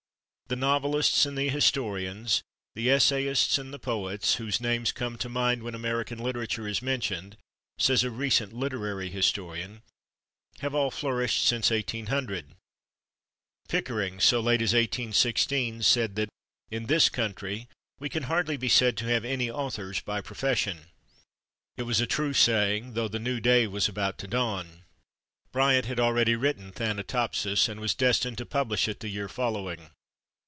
"The novelists and the historians, the essayists and the poets, whose names come to mind when American literature is mentioned," says a recent literary historian, "have all flourished since 1800." Pickering, so late as 1816, said that "in this country we can hardly be said to have any authors by profession." It was a true saying, though the new day was about to dawn; Bryant had already written "Thanatopsis" and was destined to publish it the year following.